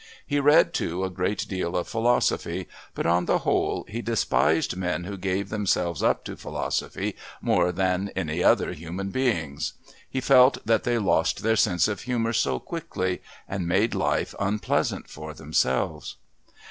He read too a great deal of philosophy but, on the whole, he despised men who gave themselves up to philosophy more than any other human beings. He felt that they lost their sense of humour so quickly, and made life unpleasant for themselves.